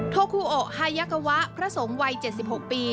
ท็อกคูโอฮายักวะพระสงวัย๗๖ปี